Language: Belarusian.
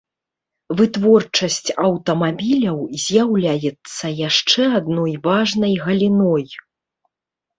Вытворчасць аўтамабіляў з'яўляецца яшчэ адной важнай галіной.